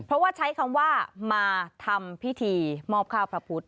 เพราะว่าใช้คำว่ามาทำพิธีมอบข้าวพระพุทธ